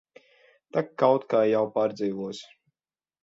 Tak kaut kā jau pārdzīvos.